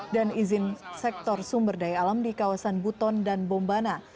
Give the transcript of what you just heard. izin sektor sumber daya alam di kawasan buton dan bombana